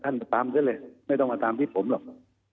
ท่านตามกันเลยไม่ต้องมาตามพี่ผมหรอก